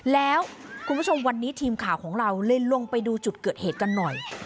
แล้วคุณผู้ชมวันนี้ทีมข่าวของเราเลยลงไปดูจุดเกิดเหตุกันหน่อย